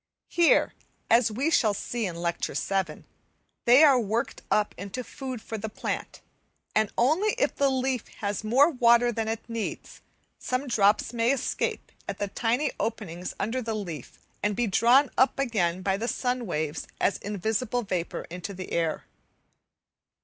Here, as we shall see in Lecture VII., they are worked up into food for the plant, and only if the leaf has more water than it needs, some drops may escape at the tiny openings under the leaf, and be drawn up again by the sun waves as invisible vapour into the air.